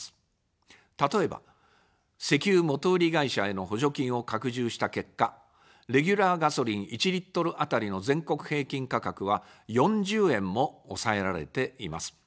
例えば、石油元売り会社への補助金を拡充した結果、レギュラーガソリン１リットル当たりの全国平均価格は４０円も抑えられています。